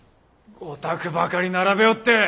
御託ばかり並べおって！